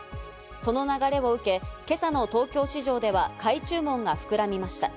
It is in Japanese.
その流れを受け、今朝の東京市場では買い注文が膨らみました。